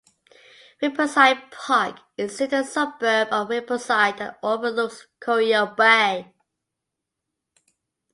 Rippleside Park is in the suburb of Rippleside and over-looks Corio Bay.